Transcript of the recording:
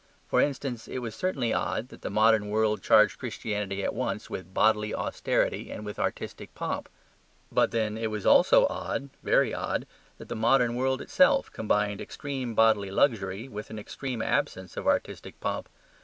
For instance, it was certainly odd that the modern world charged Christianity at once with bodily austerity and with artistic pomp. But then it was also odd, very odd, that the modern world itself combined extreme bodily luxury with an extreme absence of artistic pomp.